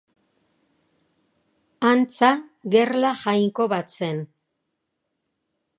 Antza gerla jainko bat zen.